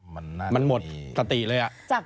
มันหมดสติเลย